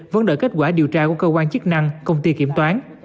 vấn đợi kết quả điều tra của cơ quan chức năng công ty kiểm toán